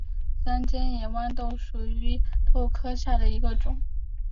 三尖野豌豆为豆科野豌豆属下的一个种。